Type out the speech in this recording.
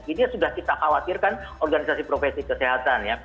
ini sudah kita khawatirkan organisasi profesi kesehatan ya